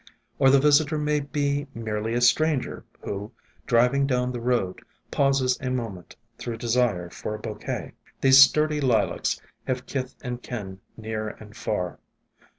Or the visitor may be merely a stranger, who, driving down the road, pauses a moment through desire for a bouquet. These sturdy Lilacs have kith and kin near and far.